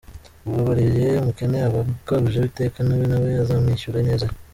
Ubabariye umukene aba agurije Uwiteka, nawe nawe azamwishyura ineza ye.